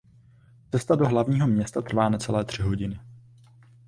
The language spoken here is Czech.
Cesta do hlavního města trvá necelé tři hodiny.